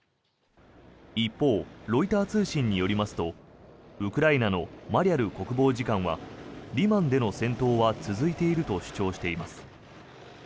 一方、ロイター通信によりますとウクライナのマリャル国防次官はリマンでの戦闘は続いていると主張しています。